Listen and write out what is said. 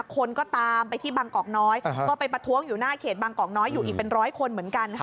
คนก็ตามไปที่บางกอกน้อยก็ไปประท้วงอยู่หน้าเขตบางกอกน้อยอยู่อีกเป็นร้อยคนเหมือนกันค่ะ